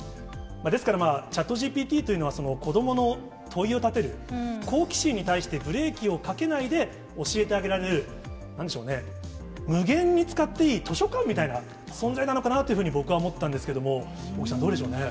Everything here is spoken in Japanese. ですから、ＣｈａｔＧＰＴというのは、こどもの問いを立てる、好奇心に対してブレーキをかけないで教えてあげられる、なんでしょうね、無限に使っていい図書館みたいな存在なのかなというふうに、僕は思ったんですけども、尾木さん、どうでしょうね。